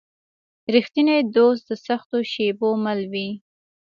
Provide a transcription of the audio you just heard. رښتینی دوست د سختو شېبو مل وي.